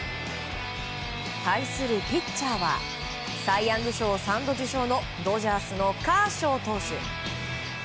対するピッチャーはサイ・ヤング賞を３度受賞のドジャースのカーショー投手。